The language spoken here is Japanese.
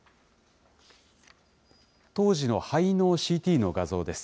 当時の肺のＣＴの画像です。